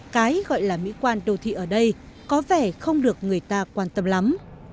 cái gọi là mỹ quan đô thị ở đây có vẻ không được người ta quan tâm lắm